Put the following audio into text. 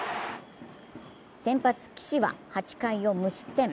先発・岸は８回を無失点。